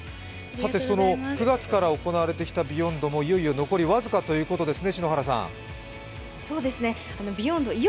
９月から行われてきた「ＢＥＹＯＮＤ」も残りあと僅かということですね。